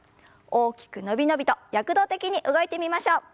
大きく伸び伸びと躍動的に動いてみましょう。